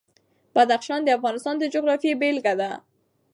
بدخشان د افغانستان د جغرافیې بېلګه ده.